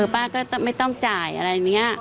ป้าก็ไม่ต้องจ่ายอะไรอย่างนี้